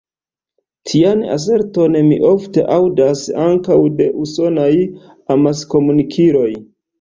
Tian aserton mi ofte aŭdas ankaŭ de usonaj amaskomunikiloj.